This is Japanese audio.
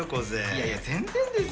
いやいや全然ですよ。